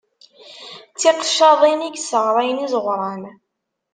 D tiqeccaḍin i yesserɣayen izeɣwṛan.